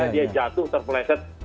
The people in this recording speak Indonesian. dia jatuh terpeleset